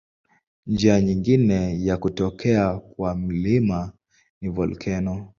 Njia nyingine ya kutokea kwa milima ni volkeno.